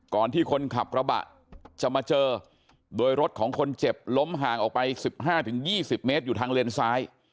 ที่คนขับกระบะจะมาเจอโดยรถของคนเจ็บล้มห่างออกไป๑๕๒๐เมตรอยู่ทางเลนซ้าย